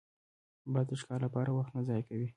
باز د ښکار لپاره وخت نه ضایع کوي